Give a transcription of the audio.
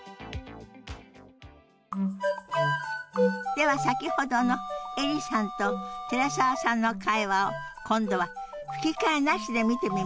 では先ほどのエリさんと寺澤さんの会話を今度は吹き替えなしで見てみましょう。